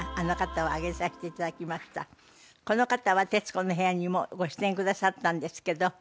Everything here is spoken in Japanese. この方は『徹子の部屋』にもご出演くださったんですけど。